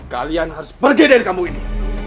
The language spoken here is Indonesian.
kalian harus pergi dari kamu ini